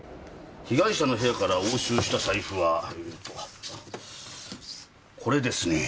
被害者の部屋から押収した財布はうんとこれですねぇ。